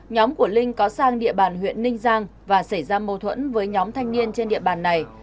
nhóm của linh có sang địa bàn huyện ninh giang và xảy ra mâu thuẫn với nhóm thanh niên trên địa bàn này